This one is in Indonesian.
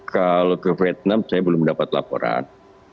kalau ke vietnam saya belum dapat laporan